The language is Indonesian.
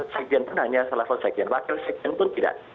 sekjen pun hanya salah satu sekjen wakil sekjen pun tidak